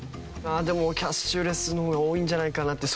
でもキャッシュレスの方が多いんじゃないかなって。